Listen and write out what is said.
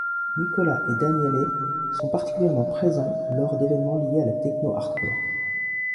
Nicola et Daniele sont particulièrement présents lors d'événements liés à la techno hardcore.